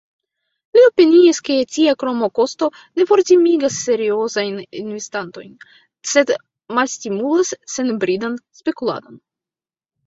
Li opiniis ke tia kroma kosto ne fortimigas seriozajn investantojn, sed malstimulas senbridan spekuladon.